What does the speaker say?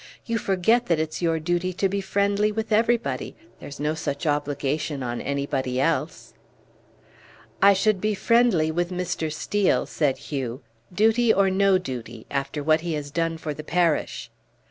"You forget that it's your duty to be friendly with everybody; there's no such obligation on anybody else." "I should be friendly with Mr. Steel," said Hugh, "duty or no duty, after what he has done for the parish."